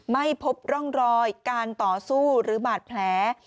ไม่พบร่องรอยการต่อสู้หรือบาดแผล